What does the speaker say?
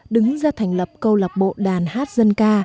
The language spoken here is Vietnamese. đứng ra thành lập câu lạc bộ đàn hát dân ca